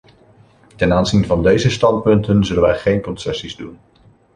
Ten aanzien van deze standpunten zullen wij geen concessies doen.